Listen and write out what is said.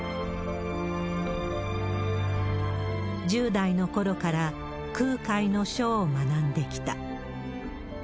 １０代のころから空海の書を学んできた。